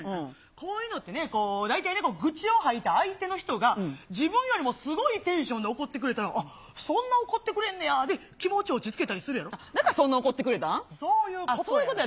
こういうのって、大体、愚痴を吐いた相手の人が、自分よりもすごいテンションで怒ってくれたら、そんな怒ってくれてんねんやっていうんで、気持ち落ち着けたりすだから、そんなに怒ってくれそういうことや。